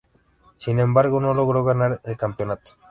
Sin embargo, no logró ganar el campeonato.